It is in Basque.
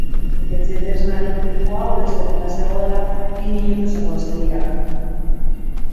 Etxetresna elektrikoa urez beteta zegoela, bi minutuz egon zen biraka.